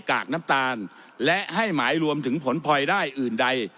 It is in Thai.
กากน้ำตาลและให้หมายรวมถึงผลพลอยได้อื่นใด